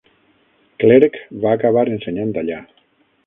Clerc va acabar ensenyant allà.